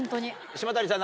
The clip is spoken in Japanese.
島谷さん